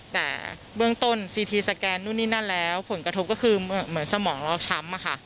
แต่เบื้องต้นซีทีสแกนนู่นนี่นั่นแล้วผลกระทบก็คือเหมือนสมองลอกช้ำอะค่ะ